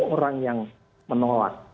dua puluh orang yang menolak